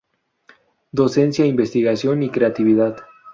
Docencia, Investigación y Creatividad.